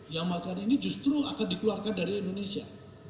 yang materi ini justru akan dikeluarkan dari indonesia